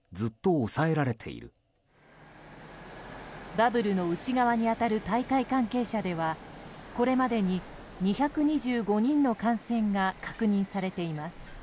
バブルの内側に当たる大会関係者ではこれまでに２５５人の感染が確認されています。